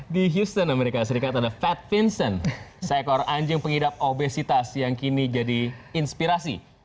di houston amerika serikat ada fat vincent seekor anjing pengidap obesitas yang kini jadi inspirasi